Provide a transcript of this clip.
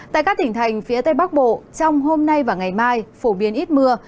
tại các tỉnh thành phía tây bắc bộ trong hôm nay và ngày mai phổ biến ít mưa